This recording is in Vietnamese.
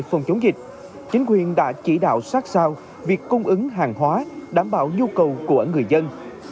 phòng chống dịch chính quyền đã chỉ đạo sát sao việc cung ứng hàng hóa đảm bảo nhu cầu của người dân